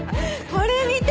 これ見て！